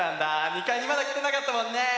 ２かいにまだきてなかったもんね！